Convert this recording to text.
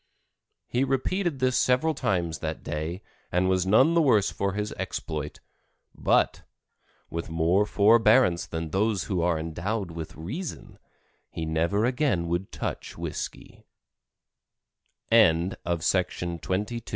He repeated this several times that day and was none the worse for his exploit, but, with more forbearance than those who are endowed with reason, he never again would touch whisky. Claudia May Ferrin. COCOA.